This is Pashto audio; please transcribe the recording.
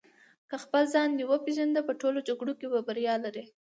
که خپل ځان دې وپېژنده په ټولو جګړو کې بریا لرې.